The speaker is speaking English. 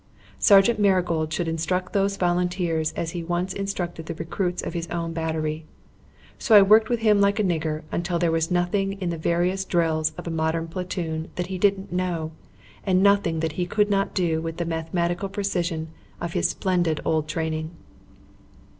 Sergeant Marigold should instruct those volunteers as he once instructed the recruits of his own battery. So I worked with him like a nigger until there was nothing in the various drills of a modern platoon that he didn't know, and nothing that he could not do with the mathematical precision of his splendid old training.